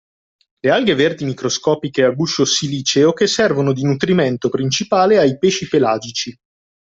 Le alghe verdi microscopiche a guscio siliceo che servono di nutrimento principale ai pesci pelagici.